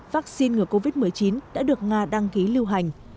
vaccine ngừa covid một mươi chín đã được nga đăng ký lưu hành